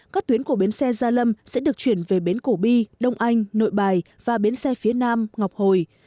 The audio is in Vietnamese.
các tuyến của bến xe gia lâm sẽ được chuyển về bến cổ bi đông anh nội bài và bến xe phía nam ngọc hồi